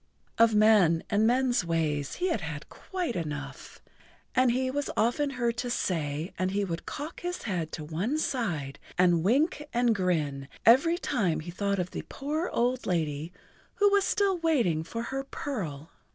Of men and men's ways he had quite enough, he was often heard to say, and he would cock his head to one side and wink and grin every time he thought of the poor old lady who was still waiting for her pearl.